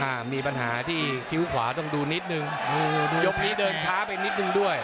อ่ามีปัญหาที่คิ้วขวาต้องดูนิดนึงยกนี้เดินช้าไปนิดนึงด้วย